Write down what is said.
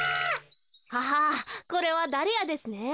ははこれはダリアですね。